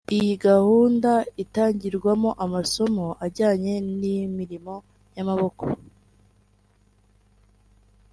Iyi gahunda itangirwamo amasomo ajyanye n’imirimo y’amaboko